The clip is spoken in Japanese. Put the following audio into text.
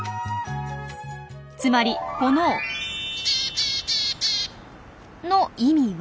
つまりこのの意味は？